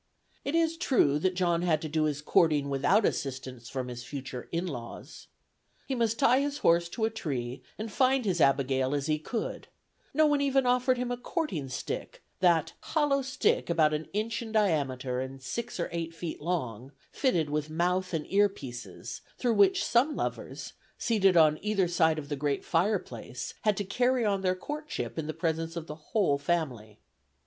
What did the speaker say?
It is true that John had to do his courting without assistance from his future "in laws." He must tie his horse to a tree and find his Abigail as he could: no one even offered him a courting stick, that "hollow stick about an inch in diameter and six or eight feet long, fitted with mouth and ear pieces" through which some lovers, seated on either side of the great fireplace, had to carry on their courtship in the presence of the whole family.